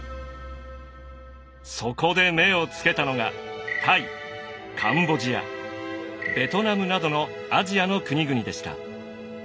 そこで目をつけたのがタイカンボジアベトナムなどのアジアの国々でした。